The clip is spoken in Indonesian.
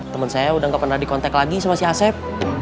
temen saya udah gak pernah dikontak lagi sama si asep